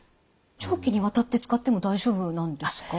長期にわたって使っても大丈夫なんですか？